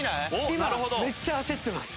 今めっちゃ焦ってます。